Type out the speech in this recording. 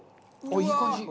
おいしい！